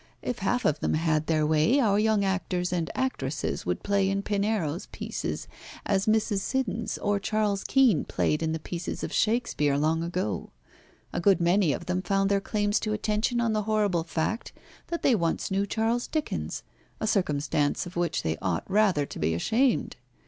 If half of them had their way, our young actors and actresses would play in Pinero's pieces as Mrs. Siddons or Charles Kean played in the pieces of Shakespeare long ago. A good many of them found their claims to attention on the horrible fact that they once knew Charles Dickens, a circumstance of which they ought rather to be ashamed.